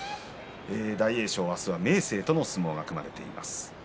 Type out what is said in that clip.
明日は明生との相撲が組まれています。